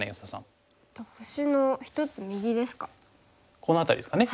この辺りですかね。